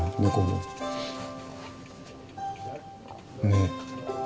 ねえ。